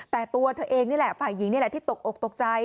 แต่ตัวเธอเองนี่แหละฝ่ายหญิงนี่แหละที่ตกอกตกใจ